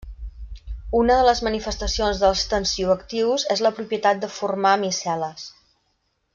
Una de les manifestacions dels tensioactius és la propietat de formar micel·les.